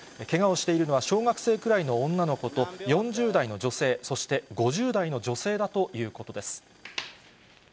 けがをしているのは小学生くらいの女の子と４０代の女性、そして５０代の女性だということです。